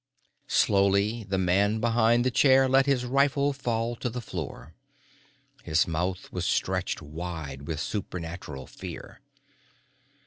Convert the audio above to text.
Slowly, the man behind the chair let his rifle fall to the floor. His mouth was stretched wide with supernatural fear.